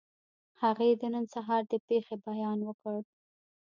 هغې د نن سهار د پېښې بیان وکړ